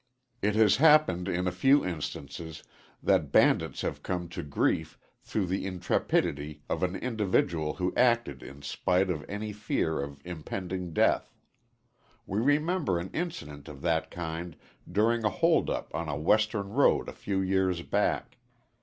It has happened in a few instances that bandits have come to grief through the intrepidity of an individual who acted in spite of any fear of impending death. We remember an incident of that kind during a hold up on a western road a few years back.